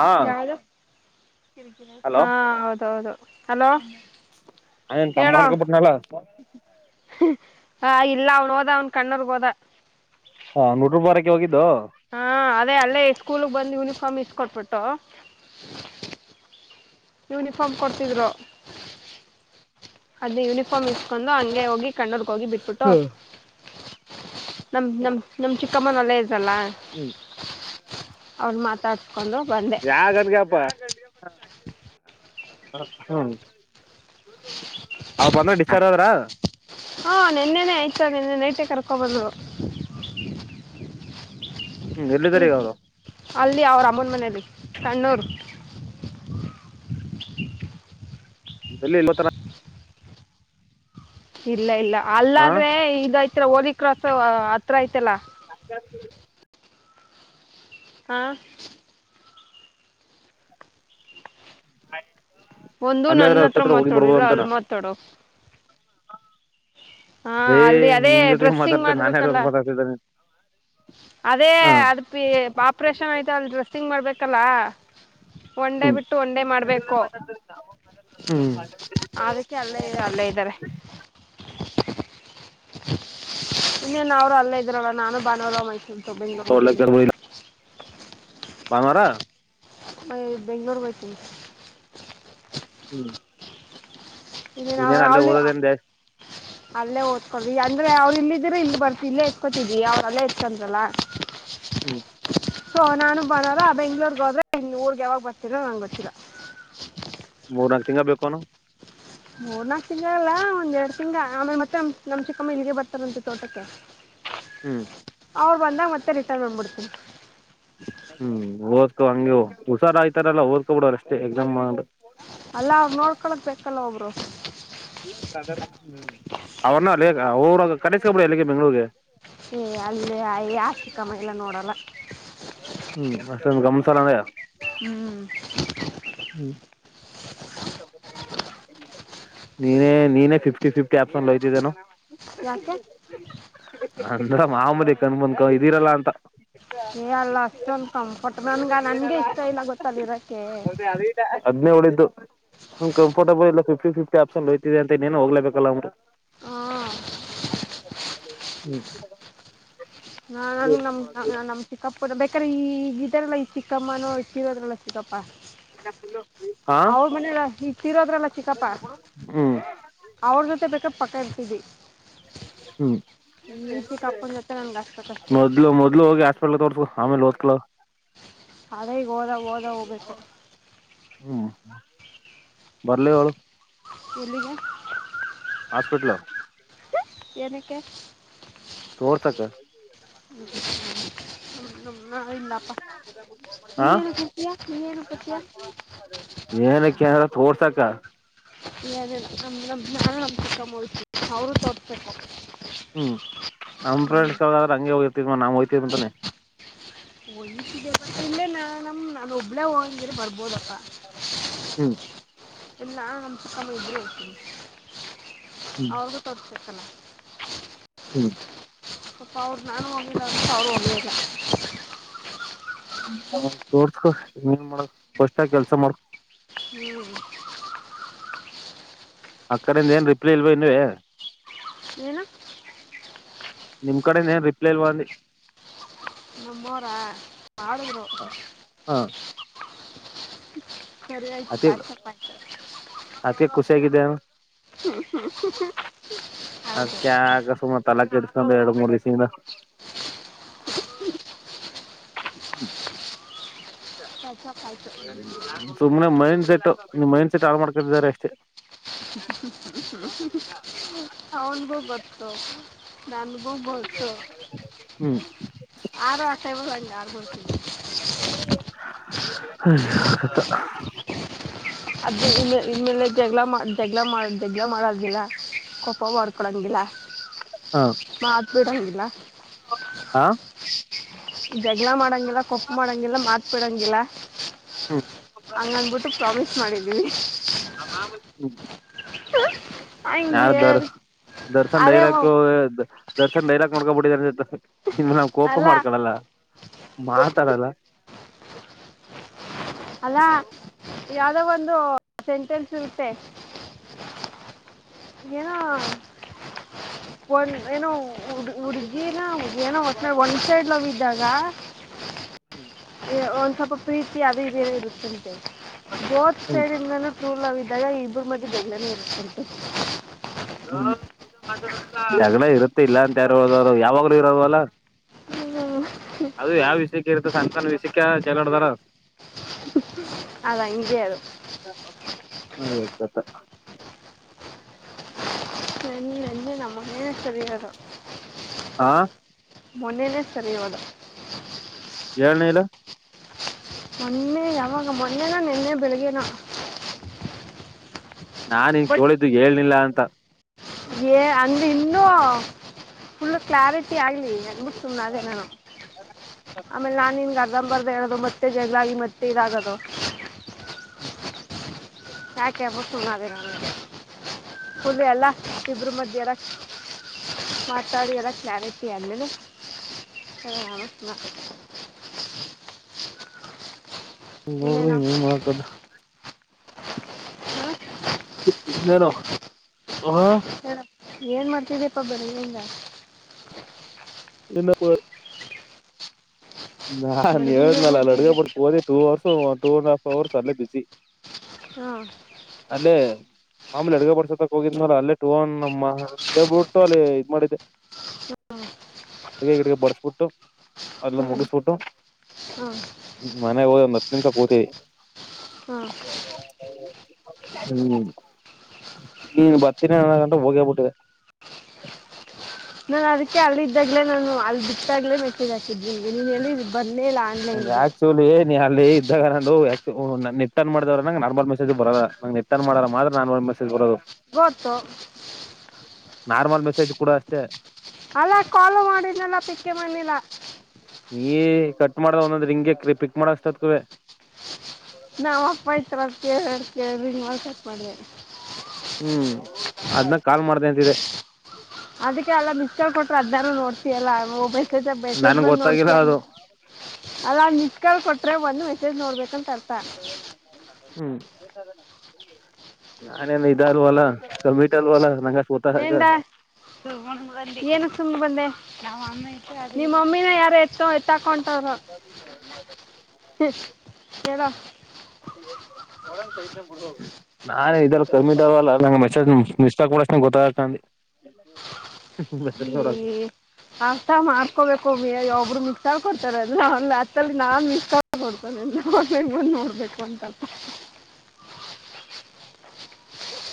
ಹಾ ಹಾ [unintelligible] ಹೌದೌದು ಹಲೋ ಆ ಹೇಳೋ ತಮ್ಮನ ಕಪ್ಪಡ್ನಲ್ಲ [unintelligible] ಹ ಇಲ್ಲ ಅವನ್ ಹೋದ ಅವನ್ ಕಣ್ಣೋರ್ಗ್ ಹೋದ ಹಾ ನೂರು [unintelligible] ರೂಪ ವಾರಕ್ಕೆ ಹೋಗಿದ್ದು ಹಾ ಅದೇ ಅಲ್ಲೇ ಸ್ಕೂಲ್ಗ್ ಬಂದು್ ಯೂನಿಫಾರ್ಮ್ ಇಸ್ಕೊಟ್ಬಿಟ್ಟು [unintelligible] ಯುನಿಫಾರ್ಮ್ ಕೊಡ್ತಿದ್ರು ಅದ್ ಯೂನಿಫಾರ್ಮ್ ಇ [unintelligible] ಕ [unintelligible] ಕೊಂಡು ಹಂಗೆ ಹೋಗಿ ಕಣ್ಣರ್ಗ ಹೋಗಿ ಬಿಟ್ಬಿಟ್ಟು ನಮ್ ನಮ್ ನಮ್ ಚಿಕ್ಕಮ್ಮನಲ್ಲ ಇದ್ದಲ್ಲ ಹ್ಮ್ [unintelligible] ಅವ್ರ್ ಮಾತಾಡ್ [unintelligible] ಯಾಗನ್ಗಪ್ಪಾ ಹ್ಮ [unintelligible] [unintelligible] ಅವ ಬಂದ ಡಿಸ್ಚಾರ್ಜ್ ಆದದ್ರ ಹಾ ನಿನ್ನೆನೆ ಆಯ್ತಾ [unintelligible] ನಿನ್ನೆ ನೈಟೇ ಕರ್ಕೋಬಹದುದು ಹ್ಮ್ ಎಲ್ಲಿದ್ದಾರೆ ಈಗ ಅವರು [unintelligible] ಲ್ಲಿ ಅವ್ರ ಅಮ್ಮನ್ ಮನೆಯಲ್ಲಿ ಕಣ್ಣೂರ್ [unintelligible] ಇಲ್ಲ ತರ [unintelligible] ಇಲ್ಲ ಇಲ್ಲ ಹಾ ಅಲ್ಲಾದ್ರೆ ಇದಐತ್ರ ಹೋರಿ ಕ್ರಾಸ್ ಹತ್ರ ಐತಲ್ಲ ಹ ಹ ಒಂದು ನನ್ನ ಹತ್ರ ಮಾತಾಡು ಇಲ್ಲ ಅಲ್ ಅಂತನ ಮಾತಾಡೋ ಹಾಂ ಏ ಅಲ್ಲಿ ಅದೇ ನಿನ್ ಜೊತೆಗೆ ಡ್ರೆಸ್ಸಿಂಗ್ ಮಾತಾಡ್ತನೆ ನಾನ್ ಯಾರು ಮಾಡಬೇಕಲ್ಲ ಜೊತೆ ಮಾತಾಡ್ತಿದ್ದನೆ ಅದೇ ಅದ ಪಿ ಆಪ್ರೇಷನ್ ಆಯ್ತ ಅಲ್ಲಿ ಡ್ರೆಸ್ಸಿಂಗ್ ಮಾಡ್ಬೇಕಲ್ಲ ಒನ್ ಹ್ಮ್ ಬಿಟ್ಟು ಒನ್ ಮಾಡಬೇಕು ಹ್ಮ್ ಅದಕ್ಕೆ ಅಲ್ಲೇ ಅಲ್ಲೇ ಇದ್ದಾರೆ ಇನ್ನೇನು ಅವರು ಅಲ್ಲೇ ಇದ್ರಲ್ಲ ನಾನು ಭಾನವಲ್ಲ ಮೈತಿ ಸ್ಂತ ಬೆಂಗ್ ಕೊರ್ತ ಬಾನವಾರ ಬೆಂಗಗಳೂರು ಗಸಿ ಹ್ಮ ಇನ್ನೇನು ಇನ್ನೇನ್ ಅವ್ರು ಅಲ್ಲೇ ಅಲ್ಲಿ ಓದೋದೇನ್ ಜಾಸ್ತಿ ಅಲ್ಲೇ ಓದ್ಕೊಡ್ರಿ ಅಂದ್ರೆ ಅವ್ರು ಇಲ್ಲ ಇದ್ರ ಇ ಬರ್ತ ಇಲ್ಲೇ ಇಸ್ಕೋತಿದವಿ ಅವ್ರಲ್ಲೇ ಇಟ್ಕೊಂಡ್ರಲ್ಲ ಹ್ಮ್ ಸೊ ನಾನು ಬರಾರ ಬೆಂಗ್ಳೂರ್ಗ್ ಹೋದ್ರೆ ಊರ್ಗ್ ಯಾವಾಗ್ ಬರ್ತಿರ ನಂಗೆ ಗೊತ್ತಿಲ್ಲ ಮೂರ್ನಾಕು ತಿಂಗಳ ಬೇಕುನು ಮೂರ್ನಾಕು ತಿಂಗಳ ಅಲ್ಲ ಒಂದ್ ಎರಡು ತಿಂಗಳ ಆಮೇಲೆ ಮತ್ತೆ ನಮ ಚಿಕ್ಕಮ್ಮ ಇಲ್ಲಿಗೆ ಬರ್ತಾರಂತೆು ತೋಟಕ್ಕೆ ಹ್ಮ್ ಅವ್ರು ಬಂದಾಗ ಮತ್ತೆ ರಿಟರ್ನ್ ಮಾಡಂದುಬಿಡ್ತೀನಿ ಹ್ಮ್ ಓದ್ಕೋ ಹಂಗಿ ಹುಷಾರ ಆಯ್ತಾರಲ್ಲ ಓದಕೊ ಬಿಡವ್ರ ಅಷ್ಟೇ ಎಕ್ಸಾಮ್ ಮಾಡ್ರ ಅಲ್ಲ ಅವರು ನೋಡ್ಕೊಳಕ್ ಬೇಕಲ್ಲ ಒಬ್ರು ಅವ್ರನ್ನ ಅವ್ರ ಕನಿಸಕಬ್ರಿ ಎಲ್ಲಿಗೆ ಬೆಂಗ್ಳೂಗೆ ಏ ಅಲ್ಲಿ ಯಾ ಚಿಕ್ಕಮ್ಮ ಎಲ್ಲ ನೋಡಲ್ಲ ಸ್ರದ ಹ್ಮ್ ನೀನೇ ನೀನೇ ಫಿಫ್ಟಿ ಫಿಫ್ಟಿ ಆಪ್ಸನ್ಯ್ತಿದ್ದೇನು ಯಾಕೆ ನಡ್ ಮಾಮೂಲಿ ಕಂದ ಬಂದ್ಕ ಇದಿರಲ್ಲಾ ಅಂತ ಏ ಅಲ್ಲ ಅಷ್ಟೊಂದು ಕಂಫರ್ಟ್ ನನ್ಗ ನನ್ಗೆ ಎನ ನನಗೆ ಅವ ಇಷ್ಟ ಇಲ್ಲ ಗೊತ್ತಾ ಅಲ್ಲಿರೋಕ್ಕೆ ಅರಿಲ್ಲ [unintelligible] ಹದ್ನೇಳ್ದುಂ ಕಂಫರ್ಟಬಲ್ ಇಲ್ಲ ಫಿಫ್ಟಿ ಫಿಫ್ಟಿ ಆಪ್ಷನ್ ಹಯ್ತಿದೆ ಅಂತ ಏನ ಹೋಗ್ಬೇಕಲ್ಲ ಅವ್ರರು ಹ ಹ್ಮ್ ನಾ ನಮ ನಮ್ ಚಿಕ್ಕಪ್ಪು ಬ ಯಕ್ರ ಈಗ ಇದ್ರಲ್ಲ ಈ ಚಿಕ್ಕಮ್ಮ ನೋ ಇಷ್ಟರ ಅದ್ರಲ್ಲ ಚಿಕ್ಕಪ್ಪಾ [unintelligible] ಅವ್ರ ಮನ ಈಗ ತೀರೋದ್ರಲ್ಲ ಚಿಕ್ಕಪ್ಪ ಹ್ಮ್ ಅವ್ರ ಜೊತೆ ಬೇಕ ಪಕ್ಕ ಡ್ತವಿ ಹ್ಮ್ ಈ ಚಿಕ್ಕಪ್ಪನ ಜೊತೆ ನಂಗೆ ಅಷ್ಟು ಕಷ್ಟ ತೋಡ್ತು ಆಮೇ ಲೋತ್ಕಲ ಅದೇ ಈಗ ಓದ ಓದ ಹೋಗ್ಬೇಕು ಹ್ಮ ಬರ್ಲ ಒಳು [unintelligible] ಹಾಸ್ಪಿಟಲ್ ಎನಕ್ಕೆ ತೋರ್ಸಕ್ಕ [inaudible] ಇಲ್ಲಪ್ಪ ಹಾ ನೀನು ಬರ್ತೀಯ ನೀನು ಬರ್ತೀಯ ಏನ ಕೆರತ್ಡ್ಸಕ ಇಲ್ಲ ಅದಿಲ್ಲ ನಮ್ ನ ನಾನು ನಮ್ ಚಿಕ್ಕಮ್ಮ ಕ್ಕ ಮೂಡ್ತಿ ಅವರುೂ ತೋರ್ತ ಹ್ಮ್ ನಮ್ ಫ್ರೆಂಡ್ಸ್ಗದ್ರ ಹಂಗಗೆ ಹೋಗಿರ್ತಿದ ಮ ನಾ ಹೋಗ್ತಿದಂತಾನೆ ಒಯ ಇಲ್ಲೇ ನ ನಮ ನ ಒಬ್ಬಳೇ ಹಂಗ ಬರ್ಬೋದಪ್ಪಾ ಹ್ಮ್ ಎಲ್ಲ ನಮ್ ಚಕ್ಕ ಇದ್ರೂ ಹೋಗ್ತನಿ ಹ್ಮ್ ಅವ್ರಗೂ ತ ಇ [inaudible] ಹ್ಮ್ ಅಪ ಅವ್ರು ನಾನು ಹೋಗಿಲ್ಲ್ರ ಅವ್ರು ಹೋಗ್ಲಿಲ್ಲ ಹ ತೋರ್ಸ್ಕೊನ್ ಮಾಡ ಸ್ ಕೆಲ್ಸ ಮಾಡ್ ಹ್ಮ್ ಅಕಡಿಂದ ಏನ್ ರಿಪ್ಲೈ ಇಲ್ವಾ ಇನ್ವೆ ಏನು ನಿಮ್ಮ್ ಕಡೆ ನನು ರಿಪ್ಲೈ ಇ ಬಿ ನಮ್ಮಮ್ಮೋರ ಆಡುಗರು ಹ ಸರಿ ಆಯ್ತು ಅತಿ ಕಾಸಪ್ತ ಹೇಗಿದ್ದ ಹೌದು ದ ಎರಡು ಮೂರ್ ದಿವಸಿಂದ ಪ್ಯಾಚಪ್ ಆಯಿತು ಹ ನಿಮ್ ಮೈಂಡ್ ಸೆಟ್ ನಿಮ್ ಮೈಂಡ್ ಸೆಟ್ ಹಾಳ ಮಾಡ್ಕತಿದ್ದಾರೆ ಅಷ್ಟೇ ಅವನ್ಗೂ ಗತ್ತು ನಾನ ಬ ಬಸ ಹ್ಮ್ ಆರ ಆ ಸ ಆ ಹ್ಮಕತ ಅದ ಇನ್ನೇಲೆ ಜಗ್ಗಳ ದಗ್ಲ ಮಾಡ ದಗ್ಲ ಮಾಡಂಗಿಲ್ಲ ಕೊಪ್ಪ ಮಾಡ್ಕೊಡಂಗಿಲ್ಲ ಹಾ ಬಿಡೋಂಗಿಲ್ಲ ಹಾ ಜಗಳ ಮಾಡಂಗಿಲ್ಲ ಕೊಪ್ಪು ಮಾಡಂಗಿಲ್ಲ ಮಾತ್ ಬಿಿಡಂಗಿಲ್ಲ ಹ್ಮ್ ಹಂಗನ್ಬಿಟ್ಟು ಪ್ರಾಮಿಸ್ ಮಾಡಿದೀನಿ ಹ ಯಾರು ಹಂಗೆ ದರ್ ದರ್ಶನ್ ಅದೇ ಡೈರಕ್ಕೆ ಒ- ದರ್ಶನ್ ಡೈರಾ್ ನೋಕೋಬ ಬಿಡಿದನ್ೇಲೆ ನ್ ಕೋಪ ಅಲ್ಲ ಮಾಡ್ಕಳಲ್ಲ ಮಾತಾಡಲ್ಲ ಅಲ್ಲಾ ಯಾವ್ದೋ ಒಂದು ಸೆಂಟೆನ್ಸ್ ಇರುತ್ತೆ ಏನ ಒನ್ ಏನೋ ಹಡ್ ಹುಡ್ಗಿನ ಏನೋ ಒ ಒಂದ್ ಸೈಡ್ ಲ್ದಾಗ ಹ್ಮ್ ಒಂದ್ ಸ್ವಲ್ಪ ಪ್ರೀತಿ ಅದ ಇದನ ಇರುತ್ತಂತೆ ಬೋತ್ ಸೈಡ್ನೂ ಕೂಲ ಾಗ ಇಬ್ಬರು ಮಧ್ಯೆ ಬೆಗ್ನ ಇರುತ್ತ ಜಗಳ ಇರುತ್ತೆ ಇಲ್ಲ ಅ ರು ಯಾವಾಗ್ಲೂ ಇರೋದು ಅಲ್ಲ ಅದು ಯಾವ ವಿಷಯಕ್ಕೆ ಇರುತ್ತ ಸಂತಾನ ವಿಷಯಕ್ಕೆ ಜಗಳಡದಾರ ಅದು ಹಂಗೆ ಅದು ಹಪ್ಪ ನನ್ನ ನನ್ ನಮಗ ಸರಿರ ಆಾ ಮೊನ್ನೇನೇ ಸರಿಯೋದ ಏಳ್ನ ಇಲ ಮೊನ್ನೆ ಯಾವಾಗ ಮೊನ್ನೆನ ನಿೆನ್ನೆ ಬೆಳಿಗ್ನ ನಾನ್ ಹಂಗ ತೋಳಿದ್ದು ಹೇಳ್ನಿಲ್ಲ ಅಂತ ಅಂದ್ರ ಇನ್ನೂ ಫುಲ್ ಕ್ಲಾರಿಟಿ ಆಗ್ಲಿ ಸುಮ್ನಾದೇ ನಾನು ಆಮೇಲೆ ನಾನನ್ ಗ ಬರ್್ದ ಹೇಳದು ಮತ್ತೆ ಜನಾಗಿ ಮತ್ತೆ ಇದಾಗದು ಹ್ಮ್ ಯಾಕೆಬ ಸುಮ್ಮದ ನ ಹುಲೆ ಅಲ್ಲ ಕರು ಮಧ್ಯರ ಮಾತಾಡಿ ಎಲ್ಲ ಕಲನ್ತಿ ಅಲ್ಲನು ಹ ಹೋಗಲಿ ನ್ ಮಾಡಕದು ಹಾಂ ನಾನ ಹ ಹ ಏನ್ ಮಾಡ್ತಿದಪ್ಪ ಬರಿಂದ ನಿನ್ನಪ [unintelligible] [inaudible] ನಾನ್ ಬೆಳಗ್ಗಿಂದ ಏನು ಹೇಳ್ನಲ್ಲ ಅಲ್ಲಿ ಅಡ್ಗೆ ಮಾಡ್ತಿದ್ದೆ ಬಿ ಹೋದಿ two hours two and half hours ಅಲ್ಲೇ ಬಿಸಿ ಹಾ ಅಲ್ಲೇ ಮಾಮೂಲಿ ಅಡುಗ ಬರ್ಸತ್ತಕ್ ಹೋಗಿದ್ ಅಲ್ಲೇ ಟೂನ್ ನಮ್ಮ ಹೇಳ್ಬಿಟ್ಟು ಅಲ್ಲಿ ಇದ್ ಮಾಡಿದ್ದೆ ಹ ಅದ ಈ ಬಡಸ್ಬಿಟ್ಟು ಅಲ್ಲ ಮುಗ ಹಾಂ ಮನೆ ಒ ನ ಸ ಪೂತಿ ಹಾಂ ಹ್ಮ್ ನೀನ್ ಬರ್ತೀನಿ ನ ಗಂಟೆ ಹೋಗೇಬಿಟ್ಟಿದೆ ನಾನು ಅದಕ್ಕೆ ಅಲ್ಲಿದ್ದಾಗ್ಲೇ ನಾನು ಅಲ್ಲಿ ಬಿಟ್ಟಾಗ್ಲೇ ನೆಟ್ಟಿದ ಸನ್ಗೆ ನೀನ್ ಹೇಳಿದ ಬರ್ಲೇ ಇಲ್ಲ ನಂಗೆ ಆನ್ನ್ಗೆ ಆಕ್ಚುಲಿ ನೀ ಅಲ್ಲಿ ಇದ್ದಾಗ ನ ನಿಟರ್ನ್ ಮಾಡಿದ ನ ನಾರ್ಮಲ್ ಮೆಸೇಜ್ ಬರಲ್ಲ ನ ನಿಟರ್ನ್ ಮಾಡ ಮಾತ್ರ ನಾರ್ಮಲ್ ಮೆಸಜರದು ಗೊತ್ತು ನಾರ್ಮಲ್ ಮೆಸೇಜ್ ಕೂಡ ಅಷ್ಟೇ ಅಲ್ಲಾ ಕಾಲು ಮಾಡಿದ್ನಲ್ಲ ಪಿಕ್ಕೆ ಮಣಿಲ್ಲ ನೀ ಕಟ್ ಮಾಡ್ದ ಒಂದೊಂದ್ ಹಿಂಗಗೆ ಪಿಕ್ ಮಾಡಸ್ತದ ಕುವ ನಾವವು ಅಪ್ಪ ಇತ ಕೇಳ ಕೇಳ ಮಾಡಸಕ್ ಮಾಡೇ ಹ್ಮ್ ಅದ್ನಾಗ ಕಾಲ್ ಮಾಡ್ದ ಅಂತಿದೆ ಅದಕ್ಕೆಲ್ಲ ಮಿಸ್ ಕೊಟ್ರೆ ಅದಾರ ನೋಡ್ ಲ್ಲ ಬಸೇಜ್ ಬಸೇಜ್ ನನ್ಗ್ ಬಂದ್ ಗೊತ್ತಾಗಿಲ್ಲ ನೋಡ್ತ ಅದು ಅನ್ಬಿಟ್ಟಾ ಅಲ್ಲ ನಿಚ್ಕಲ್ ಕೊಟ್ರೆ ಒಂದು ಮೆಸೇಜ್ ನೋಡ್ಬೇಕಂತ ತರ್ಥ ಹ್ಮ್ ನಾನೇನ್ ಇದಾರ್ವಲ್ಲ ಕಿಟ ಅಲ್ವಲ್ಲ ನಂಗ ಎಂದ ಬ ಏನು ಸುಮ್ಮ ಬಂದೆ ನಮ್ಮ ನಿಮ್ಮಮ್ಮಿನ ಯಾರ ಎತ್ತು ಎ ತಾಕೊಂಡ ಸ ಕೆಡ ನಾನ್ ಇದರ ಕಮ್ಮಿ ಇದಾವಲ್ಲ ನಂಗೆ ಮೆಸೇಜ್ ಮಿಸ ಕೊಡಷ್ಟ ಗೊತ್ತಾಗತ ಅ ಹ್ಮ ಆತ ಮಾಡ್ಕೋಬೇಕು ಮ ಒಬ್ರು ತಳ್ ಕೊೊಡ್ತಾರೆ ಅಲ್ಲ ಒ ಹತ್ತಲ್ಲಿ ನಾನುಡ್ತೇನೆ ಬಂದ ನೋಡ್ಬೇಕು ಅಂತ ಹ್ಮ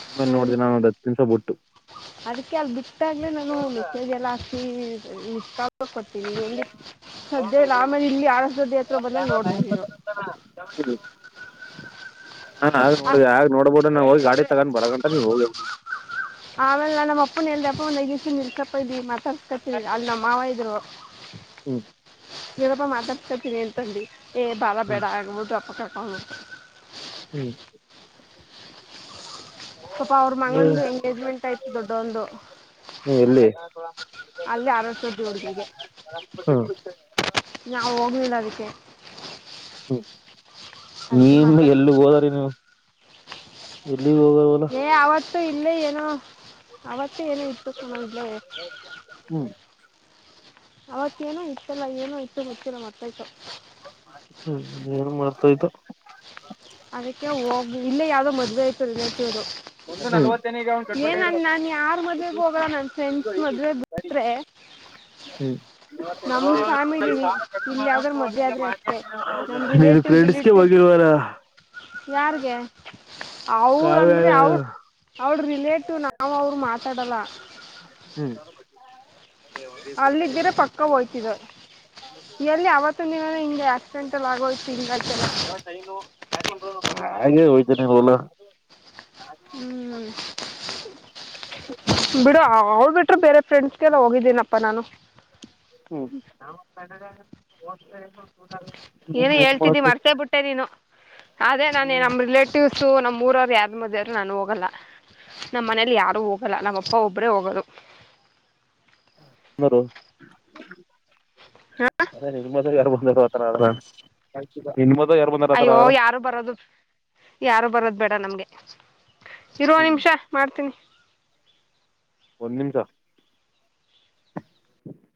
ಆಮೇಲೆ ನೋಡ್ದಿ ನಾನ ಒಂದ್ ಹ ದನ್ಸ ಬಿಟ್ಟು ಅದಕ್ಕೆ ಅಲ್ ಬಿಟ್ಟಾಗಲೇ ನಾನು ಮೆಸಗೆ ಎಲ್ಲ ಹಾಕಿ ಇಷ್ಟ ಕೊತೀವಿ ಎಲ್ಲಿ ಸದ್ಯ ರಾಮ ಇಲ್ಲಿ ಆರಸದ ಹತ್ರ ಬಂದಾಗ ನೋಡಿದೆ ನೀನು ಹ ಹ ಹಾ ಆ ನೋಡ ಆಗ ನೋಡ್ಬೋದು ನಾ ಹೋಗಿ ಗಾಡಿ ತಗೊಂಡ್ ಬರ ಗಂಟ ನೀವ್ ಹೋಗಿಿ ಆಮೇಲೆ ನಮ್ಮ ಅಪ್ಪನ ಎಲ್ದಪ್ಪ ನೈ ಇಕಪ್ಪ ಇದೀವಿ ಮತ ತಿನಿ ಅಲ್ಲಿ ಮಾವ ಇದ್ರು ಹ್ಮ್ ಯವಗಪ್ಪ ಮಾತಾಡ್ಕತೀನಿ ಅಂತಿ ಏ ಬಾಳ ಹ್ಮ್ ಬೇಡ ಆಗಬದುು ಅಪ್ಪಕ್ಕಕ ಹ್ಮ್ ಸ್ವಪ ಅವ್ರ ಹ್ಮ್ ಮಗಂದು ಎಂಗೇಜ್ಮೆಂಟ್ ಆಯ್ತು ದೊಡ್ಡೊಂದು ಹ್ಮ್ ಎಲ್ಲಿ ಹ್ಮ ಅಲ್ಲಿ ಅರಸು ಜೋಡುಗಿಗೆ ಹ್ಮ್ ನಾವ ಹೋಗ್ಲಿಲ್ಲ ಅದಕ್ಕೆ ಹ್ಮ್ ನೀ ಅದಕ್ಕೆ ಮಾತಾಡಿ ಎಲ್ಲ ಹೋದ್ರೀ ನೀವು ನೀವು ಹೋಗಳವಲ್ಲ ಇ ಇಲ್ಲೇ ಏನೋ ಅವತ್ತ ಏನೋ ಇತ್ತು ಕಣೋ ಸಣ ಇಲ್ಲ ಹ್ಮ್ ಅವತ್ತೇಏನು ಇತ್ತಲ್ಲ ಏನ ಇತ್ತು ಹತ್ತಿರ ಮತ್ತಕ್ಕೆ ಹ್ಮ್ ಏನು ಮಾಡ್ತಾಯ್ತು ಅದಕ್ಕೆ ಹೋಗ ಇಲ್ಲೇ ಯಾವ್ದೋ ಮದ್ುವೆ ಆಯ್ತುೇತಿಯವರು ಒಂದು ನಲ್ವತ್ತೇನಿಗೆ ಅವ್ನ್ ಕಟ್ಬೇಕಾಗಿರ ಏನಣ್ಣನ್ ಯಾರ್ ಮದ್ವೆಗ್ ಹೋಗಲ್ಲ ನನ್ ಫ್ರೆಂಡ್ಸ್ ಮದ್ವೆ ಬಿಟ್ರೆ ಹ್ಮ್ ಫ್ಯಾಮಿಲಿಲಿ ಇಲ್ಲಿ ಯಾವ್ದಾರು ಮದುವೆ ಆದರೆ ಅಷ್ಟೇ ನಮ್ಮ ನೀನು ರಿಲೇಟಿವ್ ಫ್ರೆಂದಾಗೆ ಗಿಲೇಟಿವ್ ಹೋಗಿ ತಿವರ್ ಯಾರ್ಗೆ ಅವ ಕಾವ್ಯ ಅಂದ್ರೆ ಅವ ಅವಳ ರಿಲೇಟ್ ಇಷ್ಟು ನಾವು ಅವ್ರು ಮಾತಾಡಲ್ಲ ಹ್ಮ್ ಅಲ್ಲಿದ್ದರೆ ಪಕ್ಕ ಹೋಯ್ತಿದ ಎಲ್ಲಿ ಅವತ್ತ ದಿನಾನ ಹಿಂಗಗೆ ಆಕ್ಸಿಡೆಂಟ್ಲ್ಲ ಆಗೋಯ್ತು ಹಂಗತ್ತಲ್ಲ ಹಾಗಗೆ ಹಯತ ನೀ ಬೋಲ ಹ್ಞೂ [unintelligible] ಅವ್ಳ್ ಬಿಟ್ರೆ ಬೇರೆ ಫ್ರೆಂಡ್ಸ್ಗೆಲ್ಲ ಹೋಗಿದ್ದೀನಪ್ಪ ನಾನು ಹ್ಮ್ ಏನು ಹೇಳ್ತಿದ್ದಿ ಮರ್ತೇ ಬಿಟ್ಟೆ ನೀನು ಅದೇ ನಾನ ನಮ್ಮ್ ರಿಲೇಟಿವ್ಸು ನಮ್ಮ್ೂರ ಯಾದ್ ಮದವ್ರರು ನಾನು ಹೋಗಲ್ಲ ನಮ್ಮ್ ಮನೇಲಿ ಯಾರು ಹೋಗಲ್ಲ ನಮ್ಮ ಅಪ್ಪ ಒಬ್ರೇ ಹೋಗೋದು ಹಾಂ ಅ ನಿಮ್ಮ ಮಾತ್ರ ಯಾರು ಬಂದರು ತರಾರ ನಿನ್ ಮದ್ ಅಯ್ಯೋ ಯಾರು ಬರೋದು ಯಾರು ಬರೋದು ಬೇಡ ನಮ್ಗೆ ಇರುವ ಹ್ಮ್ ನಿಮಿಷ ಮಾಡ್ತೀನಿ ಒಂದು ನಿಮಿಷ [inaudible]